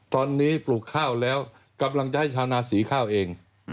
ตอนนี้ปลูกข้าวแล้วกำลังจะให้ชาวนาสีข้าวเอง